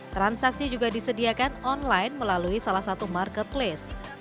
transaksi juga disediakan online melalui salah satu marketplace